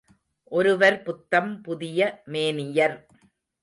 ஒருவர் புத்தம் புதிய மேனியர்.